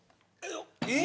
えっ！